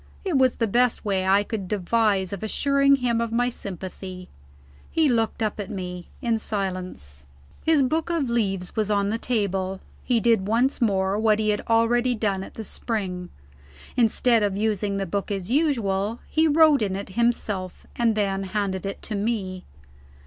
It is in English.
It was the best way I could devise of assuring him of my sympathy. He looked up at me, in silence. His book of leaves was on the table; he did once more, what he had already done at the spring. Instead of using the book as usual, he wrote in it himself, and then handed it to me.